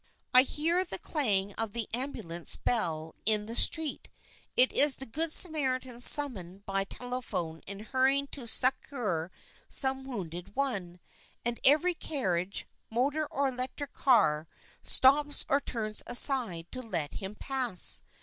INTRODUCTION I hear the clang of the ambulance bell in the n street: it is the Good Samaritan summoned by telephone and hurrying to succour some wounded one, and every carriage, motor or electric car, stops or turns aside to let him pass.